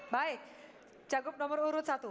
baik cagup nomor urut satu